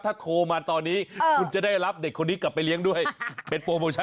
แต่คราวมีชนะเมื่อคุณพ่อปฏิเสธเสียงแข็งเลยว่า